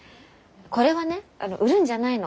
これはねあの売るんじゃないの。